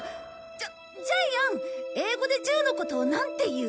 ジャジャイアン英語で１０のことをなんて言う？